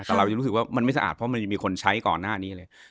แต่เรายังรู้สึกว่ามันไม่สะอาดเพราะมันยังมีคนใช้ก่อนหน้านี้เลย